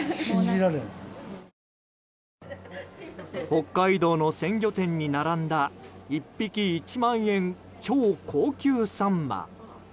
北海道の鮮魚店に並んだ１匹１万円超高級サンマ。